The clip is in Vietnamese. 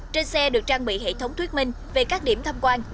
trên xe được trang bị hệ thống thuyết minh về các điểm tham quan